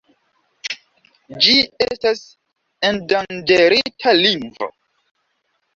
Ĝi estas endanĝerita lingvo.